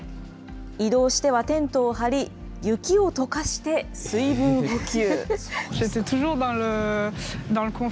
移動してはテントを張り、雪をとかして水分補給。